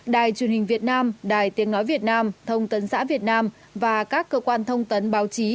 đài truyền hình việt nam đài tiếng nói việt nam thông tấn xã việt nam và các cơ quan thông tấn báo chí